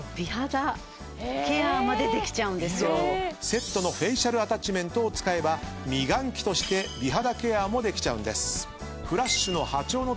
セットのフェイシャルアタッチメントを使えば美顔器として美肌ケアもできちゃうんです。